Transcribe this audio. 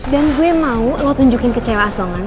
dan gue mau lo tunjukin ke cewek asongan